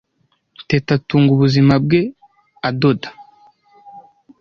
Teta atunga ubuzima bwe adoda.